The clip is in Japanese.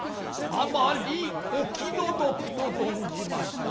あまりお気の毒と存じました